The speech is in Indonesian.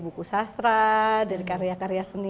buku sastra dari karya karya seni